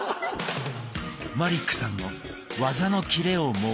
マリックさんの技のキレをもう一度。